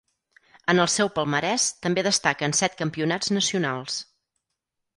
En el seu palmarès també destaquen set campionats nacionals.